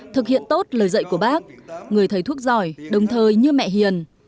thực hiện tốt lời dạy của bác người thầy thuốc giỏi đồng thời như mẹ hiền